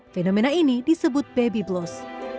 fenomena ini disebut baby blos